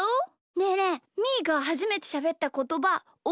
ねえねえみーがはじめてしゃべったことばおぼえてる？